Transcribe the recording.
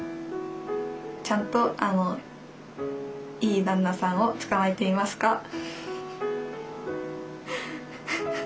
ちゃんといい旦那さんをつかまえていますか？」。